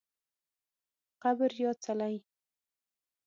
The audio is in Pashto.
قبر یا څلی